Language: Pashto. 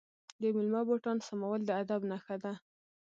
د میلمه بوټان سمول د ادب نښه ده.